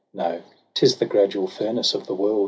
No, 'tis the gradual furnace of the world.